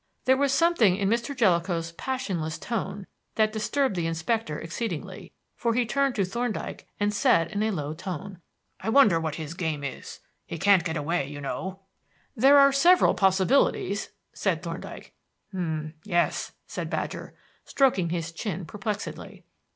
There was something in Mr. Jellicoe's passionless tone that disturbed the inspector exceedingly, for he turned to Thorndyke and said in a low tone: "I wonder what his game is? He can't get away, you know." "There are several possibilities," said Thorndyke. "M'yes," said Badger, stroking his chin perplexedly.